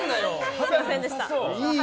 すみませんでした。